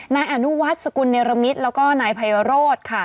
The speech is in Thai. นายอนุวัฒน์สกุลเนรมิตรแล้วก็นายไพโรธค่ะ